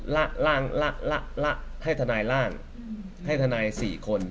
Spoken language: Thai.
ล่ะล่ะล่ะล่ะล่ะให้ทนายล่างให้ทนาย๔คน